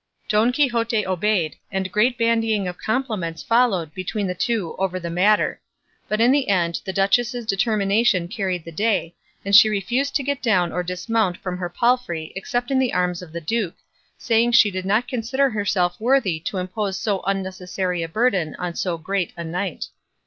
Don Quixote obeyed, and great bandying of compliments followed between the two over the matter; but in the end the duchess's determination carried the day, and she refused to get down or dismount from her palfrey except in the arms of the duke, saying she did not consider herself worthy to impose so unnecessary a burden on so great a knight.